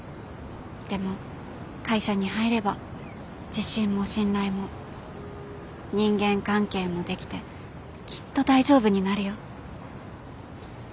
でも会社に入れば自信も信頼も人間関係もできてきっと大丈夫になるよ。